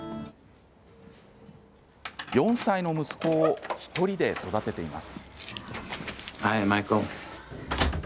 ４歳の息子を１人で育てています。